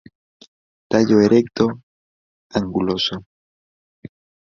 Tallo erecto, anguloso.